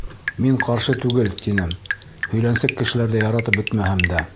— Мин ҡаршы түгел, — тинем, һөйләнсек кешеләрҙе яратып бөтмәһәм дә.